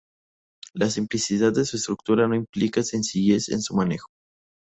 La simplicidad de su estructura no implica sencillez en su manejo.